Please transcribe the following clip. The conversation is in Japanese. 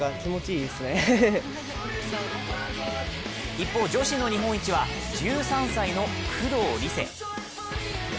一方、女子の日本一は１３歳の工藤璃星。